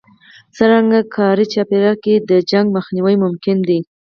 څرنګه کاري چاپېريال کې د شخړو مخنيوی ممکن دی؟